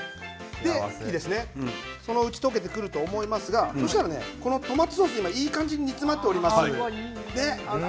そのうち溶けてくると思いますがトマトソースがいい感じに煮詰まっています。